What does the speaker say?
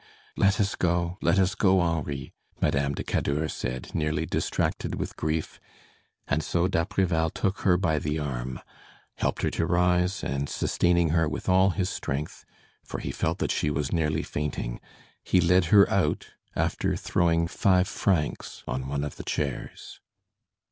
"Let us go, let us go, Henri," Madame de Cadour said, nearly distracted with grief, and so d'Apreval took her by the arm, helped her to rise, and sustaining her with all his strength, for he felt that she was nearly fainting, he led her out, after throwing five francs on one of the chairs.